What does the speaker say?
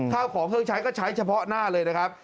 ข้าวของเครื่องใช้ก็ใช้เฉพาะหน้าเลยนะครับ